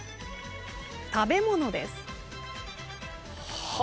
食べ物です。